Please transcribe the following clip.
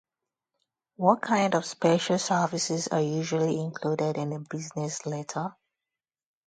What kind of special services are usually included in a business letter?